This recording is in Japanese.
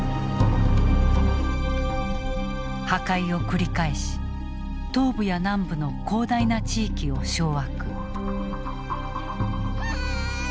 破壊を繰り返し東部や南部の広大な地域を掌握。